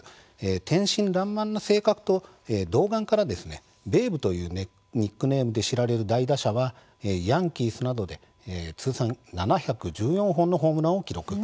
天真らんまんな性格と童顔からベーブというニックネームで知られる大打者はヤンキースなどで通算７１４本のホームランを記録。